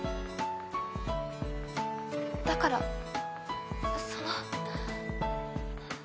だからその。